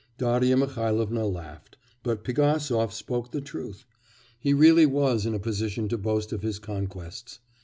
Darya Mihailovna laughed, but Pigasov spoke the truth; he really was in a position to boast of his conquests.